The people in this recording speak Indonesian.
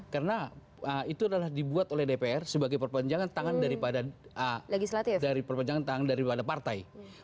karena itu adalah dibuat oleh dpr sebagai perpanjangan tangan daripada partai